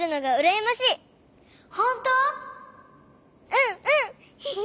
うんうん！